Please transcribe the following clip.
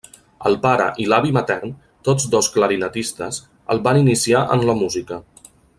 El pare i l'avi matern, tots dos clarinetistes, el van iniciar en la música.